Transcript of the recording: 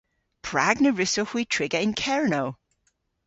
Prag na wrussowgh hwi triga yn Kernow?